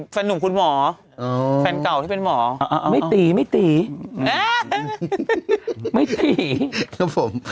อ๋อบอยตีแฟนหนุ่มคุณหมอแฟนเก่าที่เป็นหมอไม่ตีไม่ตีครับผม